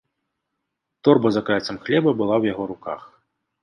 Торба з акрайцам хлеба была ў яго руках.